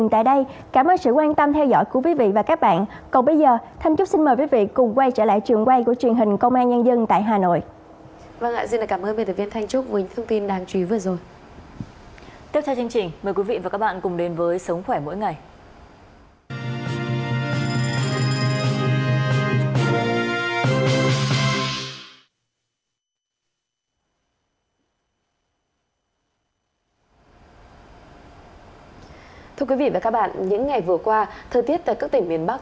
thưa quý vị và các bạn những ngày vừa qua thơ tiết tại các tỉnh miền bắc